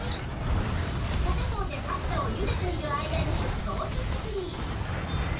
片方でパスタをゆでている間にソース作り